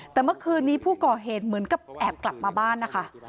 แต่เมื่อคืนนี้ผู้ก่อเหตุเหมือนกับแอบกลับมาบ้านนะคะ